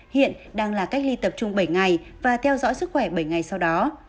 hiện đang là cách ly tập trung bảy ngày và theo dõi sức khỏe bảy ngày sau đó